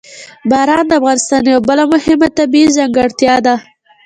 باران د افغانستان یوه بله مهمه طبیعي ځانګړتیا ده.